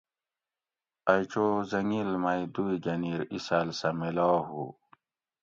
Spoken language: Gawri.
ائی چو زنگِل مئی دُوئی گۤھنیر اِساۤل سہ میلاؤ ہُو